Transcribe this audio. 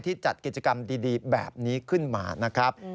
จัดกิจกรรมดีแบบนี้ขึ้นมานะครับ